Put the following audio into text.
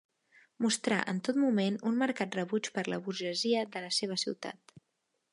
Mostrà en tot moment un marcat rebuig per la burgesia de la seva ciutat.